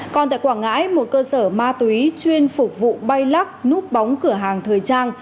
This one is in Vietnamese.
còn tại quảng ngãi một cơ sở ma túy chuyên phục vụ bay lắc núp bóng cửa hàng thời trang